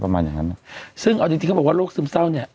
ประมาณอย่างนั้นซึ่งเอาจริงจริงเขาบอกว่าโรคซึมเศร้าเนี่ย